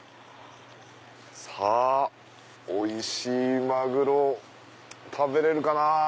さぁおいしいマグロを食べれるかなぁ。